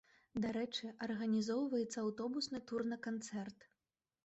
Дарэчы, арганізоўваецца аўтобусны тур на канцэрт!